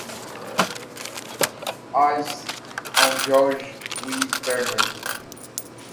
Ives and George W. Bernard.